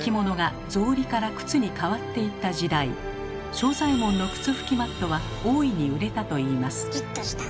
正左衛門の「靴拭きマット」は大いに売れたといいます。